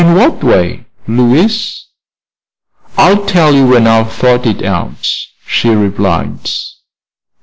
"In what way, Louise?" "I'll tell you when I've thought it out," she replied.